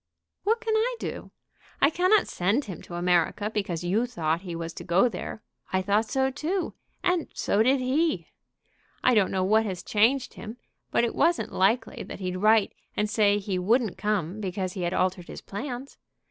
"What can I do? I cannot send him to America because you thought he was to go there. I thought so too; and so did he. I don't know what has changed him; but it wasn't likely that he'd write and say he wouldn't come because he had altered his plans.